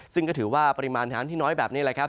ซึ่งก็ถือว่าปริมาณน้ำที่น้อยแบบนี้แหละครับ